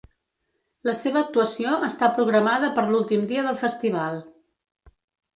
La seva actuació està programada per l’últim dia del festival.